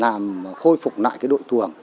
là khiến được khôi phục lại cái đội thưởng